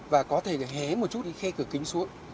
và có thể hẽ một chút để khe cửa kính xuống